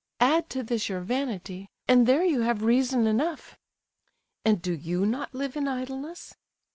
Add to this your vanity, and, there you have reason enough—" "And do you not live in idleness?"